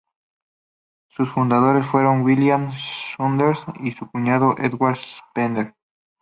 Sus fundadores fueron William Saunders y su cuñado Edward Spender.